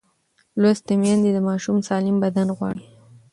لوستې میندې د ماشوم سالم بدن غواړي.